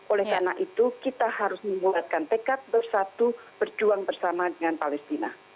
oleh karena itu kita harus membuatkan tekad bersatu berjuang bersama dengan palestina